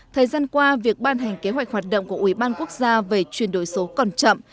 thời gian qua việc ban hành kế hoạch hoạt động của ủy ban quốc gia về chuyển đổi số còn chậm